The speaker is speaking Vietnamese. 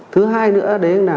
thứ hai nữa